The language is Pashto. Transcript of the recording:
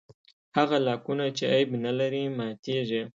هغه لاکونه چې عیب نه لري ماتېږي.